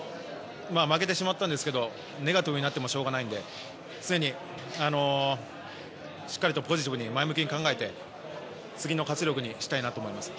負けてしまったんですけどネガティブになってもしょうがないので常にしっかりとポジティブに前向きに考えて次の活力にしたいなと思います。